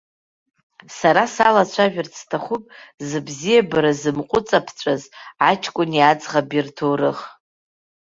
Сара салацәажәарц сҭахуп зыбзиабара зымҟәыҵаԥжәаз аҷкәыни аӡӷаби рҭоурых.